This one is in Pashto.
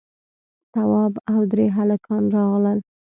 تواب او درې هلکان راغلل.